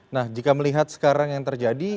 nah jika melihat sekarang yang terjadi